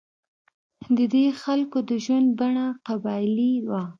د دې خلکو د ژوند بڼه قبایلي وه.